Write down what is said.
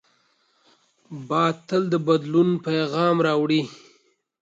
باد تل د بدلونو پیغام راوړي